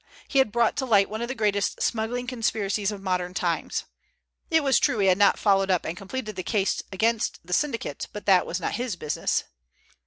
He had brought to light one of the greatest smuggling conspiracies of modern times. It was true he had not followed up and completed the case against the syndicate, but this was not his business.